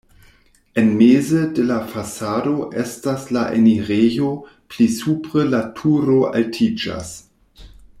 En meze de la fasado estas la enirejo, pli supre la turo altiĝas.